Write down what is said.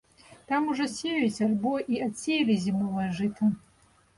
Там ужо сеюць альбо і адсеялі зімовае жыта.